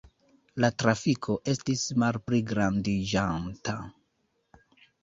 La trafiko estis malpligrandiĝanta.